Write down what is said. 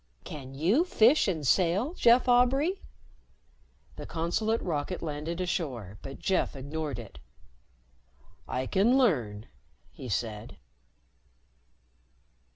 Can you fish and sail, Jeff Aubray?" The consulate rocket landed ashore, but Jeff ignored it. "I can learn," he said.